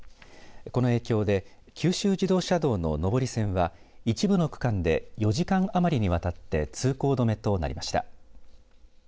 この影響で九州自動車道の上り線は一部の区間で４時間余りにわたって通行止めとなりました。